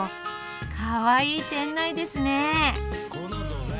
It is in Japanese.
かわいい店内ですね。